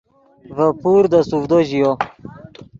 ڤے پور دے سوڤدو ژیو